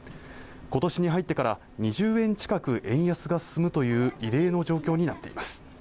今年に入ってから２０円近く円安が進むという異例の状況になっています